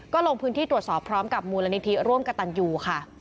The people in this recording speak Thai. ก็ลงพื้นที่ตรวจสอบพร้อมกับมูลนิธิร่วมกับตันยูค่ะ